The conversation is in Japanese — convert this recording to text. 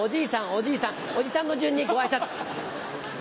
おじいさんおじさんの順にご挨拶。